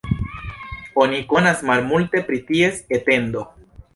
Oni konas malmulte pri ties etendo.